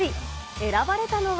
選ばれたのは。